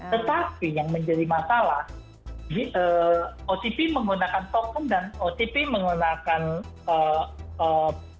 tetapi yang menjadi masalah otp menggunakan token dan otp menggunakan